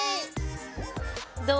どう？